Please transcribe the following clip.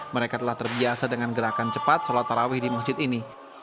mereka telah terbiasa dengan gerakan cepat sholat tarawih di masjid ini